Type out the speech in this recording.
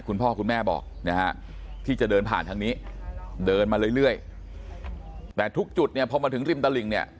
คุณพ่อคุณแม่บอกนะฮะที่จะเดินผ่านทางนี้เดินมาเรื่อยแต่ทุกจุดเนี่ยพอมาถึงริมตลิ่งเนี่ย